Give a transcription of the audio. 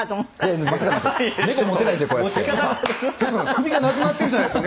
首がなくなってるじゃないですか